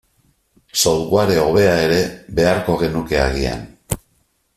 Software hobea ere beharko genuke agian.